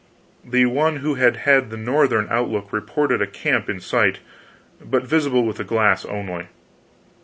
The one who had had the northern outlook reported a camp in sight, but visible with the glass only.